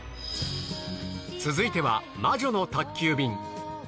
続いては魔女の宅急便。